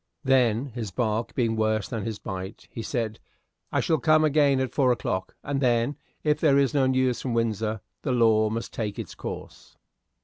Then, his bark being worse than his bite, he said, "I shall come again at four o'clock, and then, if there is no news from Windsor, the law must take its course."